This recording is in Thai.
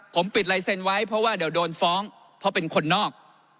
ผมปิดลายเซ็นต์ไว้เพราะว่าเดี๋ยวโดนฟ้องเพราะเป็นคนนอก